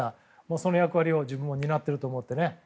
その役割を担ってると思って。